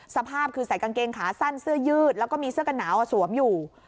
สภาพคือใส่กางเกงขาสั้นเสื้อยืดแล้วก็มีเสื้อกันหนาวสวมอยู่